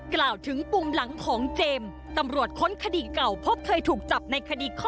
กล่าวถึงปุ่มหลังของเจมส์ตำรวจค้นคดีเก่าพบเคยถูกจับในคดีคอ